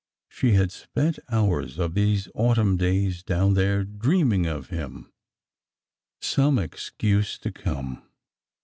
She had spent hours of these autumn days down there, dreaming of him. ...^' Some excuse to come.